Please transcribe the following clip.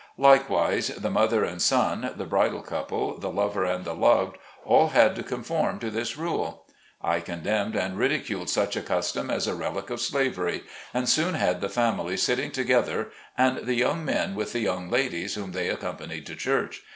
Likewise the mother and son, the bridal couple, the lover and the loved, all had to conform to this rule. I condemned and ridiculed such a custom as a relic of slavery, and soon had the families sitting together, and the young men with the young ladies whom they accompanied to church.